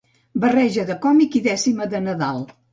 Barreja de còmic i dècima de Nadal.